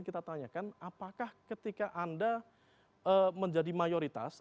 kita tanyakan apakah ketika anda menjadi mayoritas